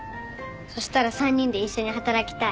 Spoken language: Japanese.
そしたら３人で一緒に働きたい。